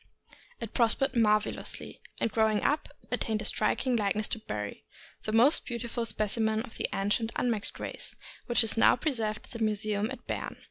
It prospered marvelously, and growing up, attained a striking likeness to Barry, the most beautiful speci men of the ancient unmixed race, which is now preserved in the museum at Berne.